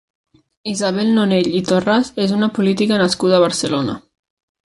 Isabel Nonell i Torras és una política nascuda a Barcelona.